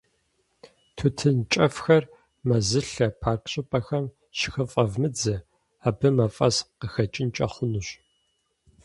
Тутын кӀэфхэр мэзылъэ, парк щӀыпӀэхэм щыхыфӀэвмыдзэ, абы мафӏэс къыхэкӏынкӏэ хъунущ.